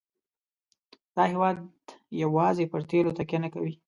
دا هېواد یوازې پر تیلو تکیه نه کوي.